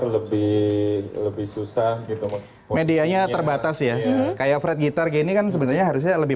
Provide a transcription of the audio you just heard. lebih susah gitu medianya terbatas ya kayak fregitar gini kan sebenarnya harusnya lebih